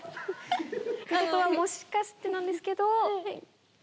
もしかしてなんですけど。